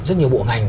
rất nhiều bộ ngành